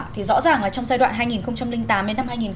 thì rõ ràng là trong giai đoạn hai nghìn tám đến năm hai nghìn một mươi